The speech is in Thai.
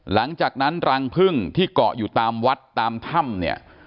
หลังจากนั้นรังพึ่งที่เกาะอยู่ตามวัดตามถ้ำเนี่ย